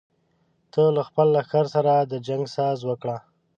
ته له خپل لښکر سره د جنګ ساز وکړه.